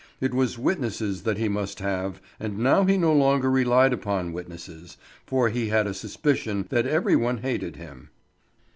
It was witnesses that he must have, and now he no longer relied upon witnesses, for he had a suspicion that every one hated him.